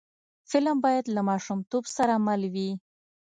فلم باید له ماشومتوب سره مل وي